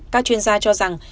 các chuyên gia cho rằng